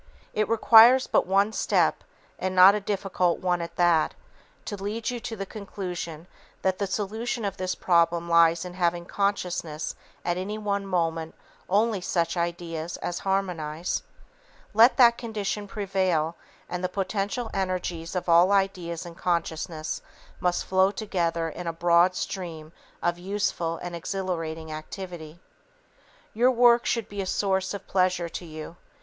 It requires but one step, and not a difficult one at that, to lead you to the conclusion that the solution of this problem lies in having in consciousness at any one moment only such ideas as harmonize. Let that condition prevail, and the potential energies of all ideas in consciousness must flow together in a broad stream of useful and exhilarating activity. [Sidenote: Rust and the "Daily Grind"] Your work should be a source of pleasure to you.